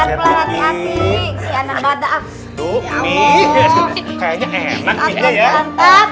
saya udah ngeliatin dari tadi kayaknya enak banget